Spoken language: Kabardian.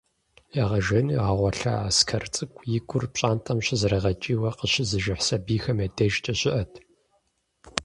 Ягъэжеину ягъэгъуэлъа Аскэр цӏыкӏу и гур пщантӏэм щызэрыгъэкӏийуэ къыщызыжыхь сэбийхэм я дежкӏэ щыӏэт.